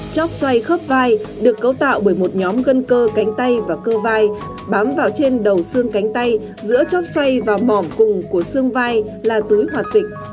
chóp xoay khớp vai được cấu tạo bởi một nhóm gân cơ cánh tay và cơ vai bám vào trên đầu xương cánh tay giữa chóp xoay và mỏm cùng của xương vai là túi hoạt tịch